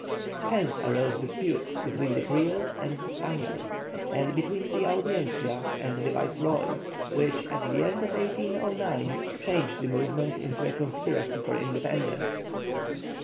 Hence arose disputes between the Creoles and the Spaniards, and between the Audiencia and the Viceroy, which at the end of 1809 changed the movement into a conspiracy for independence.